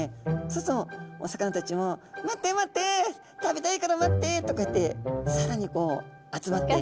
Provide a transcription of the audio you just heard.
そうするとお魚たちも「待って待って食べたいから待って」ってこうやってさらに集まって。